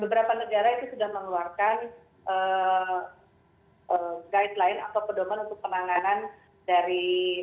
beberapa negara itu sudah mengeluarkan guideline atau pedoman untuk penanganan dari